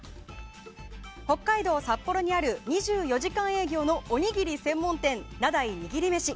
北海道札幌にある２４時間営業のおにぎり専門店名代にぎりめし。